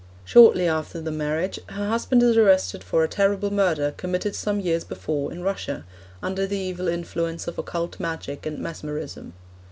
Shortly after the marriage her husband is arrested for a terrible murder committed some years before in Russia, under the evil influence of occult magic and mesmerism.